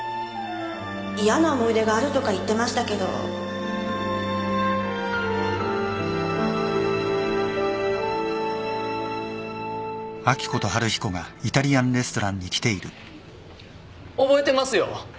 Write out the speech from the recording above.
嫌な思い出があるとか言ってましたけど覚えてますよ。